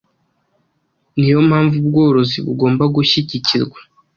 Ni yo mpamvu ubworozi bugomba gushyigikirwa,